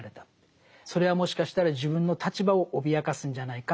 それはもしかしたら自分の立場を脅かすんじゃないか。